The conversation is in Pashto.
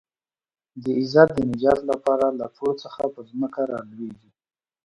د عزت د نجات لپاره له پوړ څخه پر ځمکه رالوېږي.